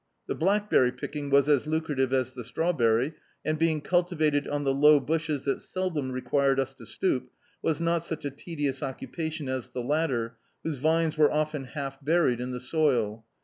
The blackberry picking was as lucrative as the strawberry, and, being cultivated on the low bushes that seldom required us to stoop, was not such a tedious occupation as the latter, whose vines were often half buried in the soil.